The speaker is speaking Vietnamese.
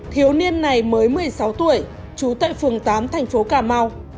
thiếu niên này mới một mươi sáu tuổi trú tại phường tám thành phố cà mau